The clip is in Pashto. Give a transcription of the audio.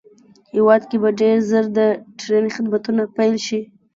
هېواد کې به ډېر زر د ټرېن خدمتونه پېل شي